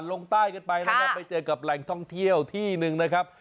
ลงใต้กันไปนะครับไปเจอกับแหล่งท่องเที่ยวที่หนึ่งนะครับ